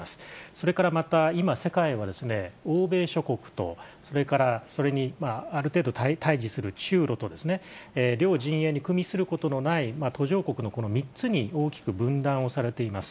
それからまた、今、世界は欧米諸国と、それからそれにある程度対じする中ロと両陣営にくみすることのない途上国の３つに大きく分断をされています。